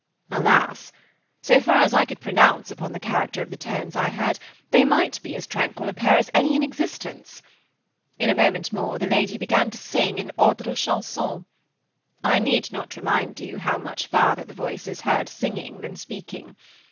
Alas! so far as I could pronounce upon the character of the tones I heard, they might be as tranquil a pair as any in existence. In a moment more the lady began to sing an odd little chanson. I need not remind you how much farther the voice is heard singing than speaking.